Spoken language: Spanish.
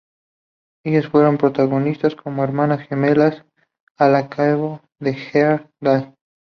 Ellas fueron protagonistas como hermanas gemelas, el acebo y Heather Dahl.